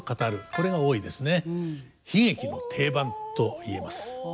これが多いですね。